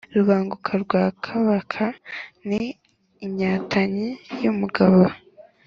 Rubanguka rwa Kabaka ni Inyatanyi y‘umugabo